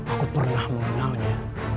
aku pernah mengenalnya